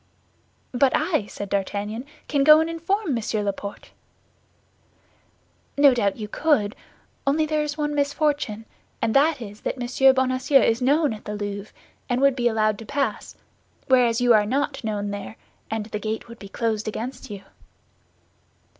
"But I," said D'Artagnan, "can go and inform Monsieur Laporte." "No doubt you could, only there is one misfortune, and that is that Monsieur Bonacieux is known at the Louvre, and would be allowed to pass; whereas you are not known there, and the gate would be closed against you."